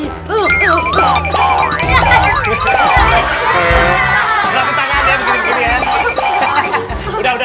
berat tangan ya begini begini ya